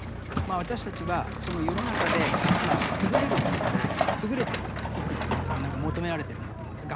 私たちはその世の中で優れるということを優れていくということが何か求められてるんだと思うんです。